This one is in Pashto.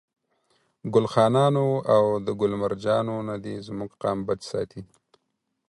ګل خانانو او ده ګل مرجانو نه دي زموږ قام بچ ساتي.